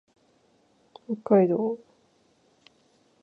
北海道洞爺湖町